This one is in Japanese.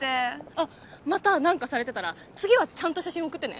あっまたなんかされてたら次はちゃんと写真送ってね。